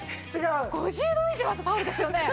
５０度以上あったタオルですよね！？